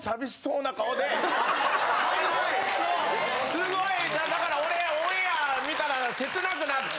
すごいだから俺オンエア見たら切なくなって。